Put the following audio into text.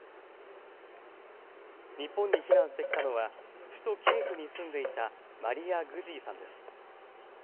日本に避難してきたのは首都キエフに住んでいたマリヤ・グジーさんです。